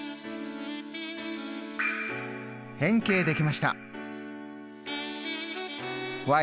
変形できました。